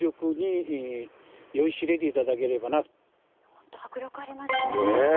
本当、迫力ありますね。